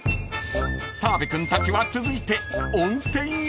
［澤部君たちは続いて温泉へ］